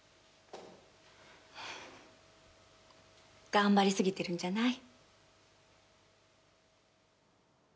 頑張りすぎてるんじゃない？